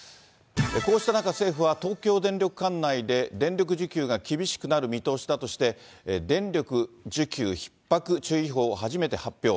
こうした中、政府は東京電力管内で、電力需給が厳しくなる見通しだとして、電力需給ひっ迫注意報を初めて発表。